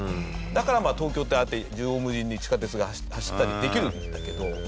だから東京ってああやって縦横無尽に地下鉄が走ったりできるんだけど。